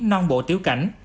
non bộ tiểu cảnh